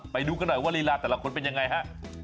ไปดูกันหน่อยว่าลีลาแต่ละคนเป็นยังไงฮะ